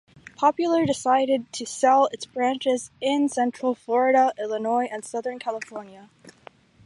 Popular decided to sell its branches in central Florida, Illinois, and southern California.